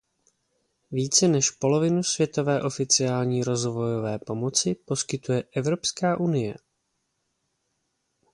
Více než polovinu světové oficiální rozvojové pomoci poskytuje Evropská unie.